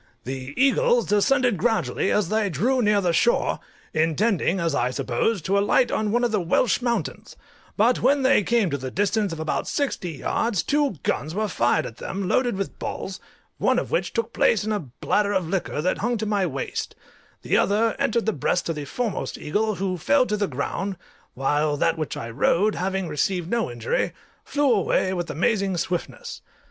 The eagles descended gradually as they drew near the shore, intending, as I supposed, to alight on one of the Welsh mountains; but when they came to the distance of about sixty yards two guns were fired at them, loaded with balls, one of which took place in a bladder of liquor that hung to my waist; the other entered the breast of the foremost eagle, who fell to the ground, while that which I rode, having received no injury, flew away with amazing swiftness.